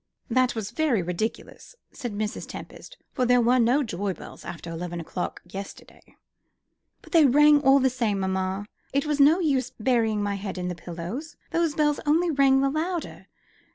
"That was very ridiculous." said Mrs. Tempest, "for there were no joy bells after eleven o'clock yesterday." "But they rang all the same, mamma. It was no use burying my head in the pillows; those bells only rang the louder.